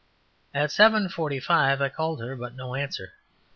At seven forty five I called her but no answer.